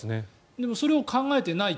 でもそれを考えていない。